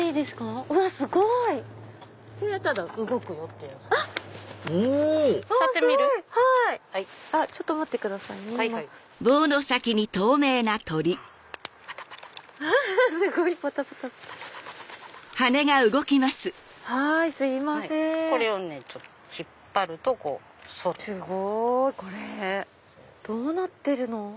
すごい！どうなってるの？